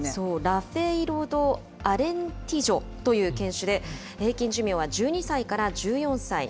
ラフェイロ・ド・アレンティジョという犬種で、平均寿命は１２歳から１４歳。